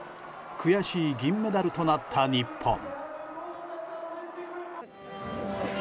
悔しい銀メダルとなった日本。